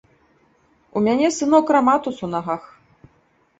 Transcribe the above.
У мяне, сынок, раматус у нагах.